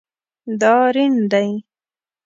دا ریڼ دی